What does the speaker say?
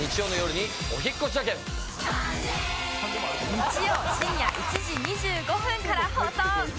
日曜深夜１時２５分から放送